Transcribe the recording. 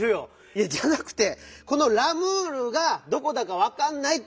いやじゃなくてこの「ラムール」がどこだかわかんないっていってんの！